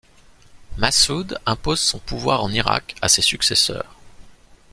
Mas'ud impose son pouvoir en Irak à ses successeurs.